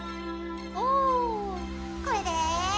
これで。